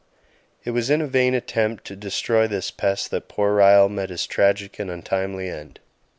It was in a vain attempt to destroy this pest that poor Ryall met his tragic and untimely end.